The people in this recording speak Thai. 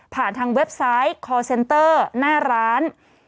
ทางเว็บไซต์คอร์เซนเตอร์หน้าร้าน